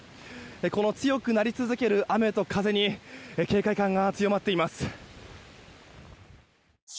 この強くなり続ける雨と風に警戒感が強まっています。